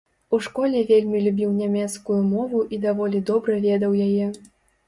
У школе вельмі любіў нямецкую мову і даволі добра ведаў яе.